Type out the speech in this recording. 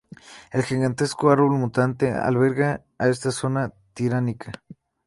El gigantesco árbol mutante alberga a esta raza tiránica.